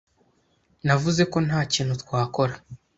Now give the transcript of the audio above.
Navuze ko ntakintu twakora.